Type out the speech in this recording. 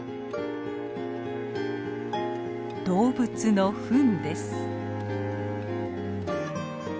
動物のふんです。